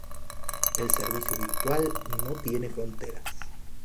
El servicio virtual no tiene fronteras.